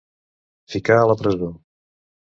Ficar a la presó.